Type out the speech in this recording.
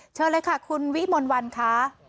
เชิญเลยค่ะคุณวิมลวันค่ะ